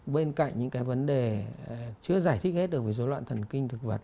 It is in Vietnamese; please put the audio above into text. bên cạnh những cái vấn đề chưa giải thích hết được với rối loạn thần kinh thực vật